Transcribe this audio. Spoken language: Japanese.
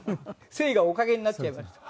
「せい」が「おかげ」になっちゃいました。